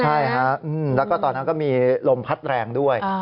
ใช่ฮะแล้วก็ตอนนั้นก็มีลมพัดแรงด้วย